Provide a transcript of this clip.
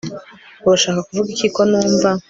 urashaka kuvuga iki ko numva